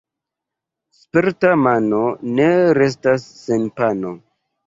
Sperta mano ne restas sen pano.